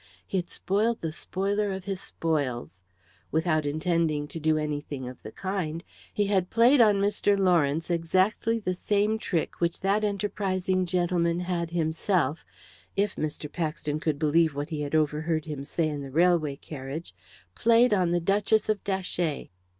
He had spoiled the spoiler of his spoils. Without intending to do anything of the kind, he had played on Mr. Lawrence exactly the same trick which that enterprising gentleman had himself if Mr. Paxton could believe what he had overheard him say in the railway carriage played on the Duchess of Datchet.